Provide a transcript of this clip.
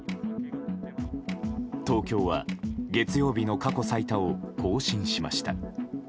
東京は月曜日の過去最多を更新しました。